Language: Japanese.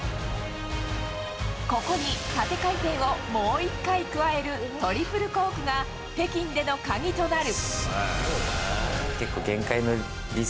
ここに縦回転をもう１回加えるトリプルコークが北京での鍵となる。